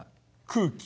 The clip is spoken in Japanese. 空気。